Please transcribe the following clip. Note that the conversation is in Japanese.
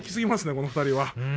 この２人は。